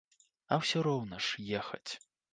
А ўсё роўна ж ехаць.